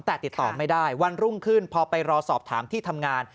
แต่ติดต่อไม่ได้วันรุ่งขึ้นพอไปรอสอบถามที่ทำงาน